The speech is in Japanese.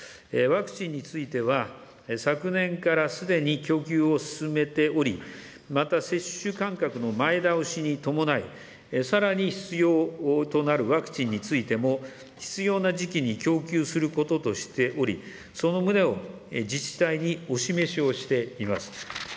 ワクチンについては、昨年からすでに供給を進めており、また接種間隔の前倒しに伴い、さらに必要となるワクチンについても、必要な時期に供給することとしており、その旨を、自治体にお示しをしています。